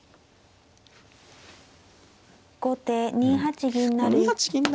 後手２八銀成。